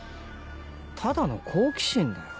ただの好奇心だよ。